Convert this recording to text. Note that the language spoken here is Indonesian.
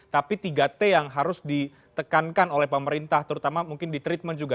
tapi tiga t yang harus ditekankan oleh pemerintah terutama mungkin di treatment juga